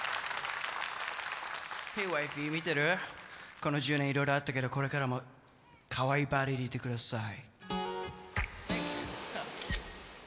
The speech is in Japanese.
この１０年、いろいろあったけど、これからもかわいいバディーでいてください。